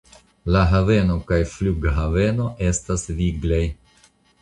La haveno kaj flughaveno estas viglaj.